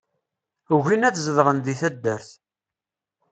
Ugin ad zedɣen di taddart.